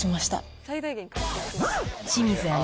清水アナ